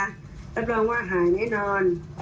อักรภาพว่าหายแน่นอน